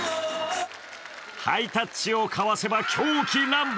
ハイタッチを交わせば狂喜乱舞。